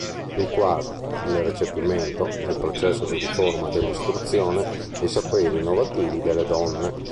Il quarto, il recepimento, nel processo di riforma dell'istruzione, dei saperi innovativi delle donne.